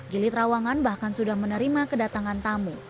jilid rawangan bahkan sudah menerima kedatangan tamu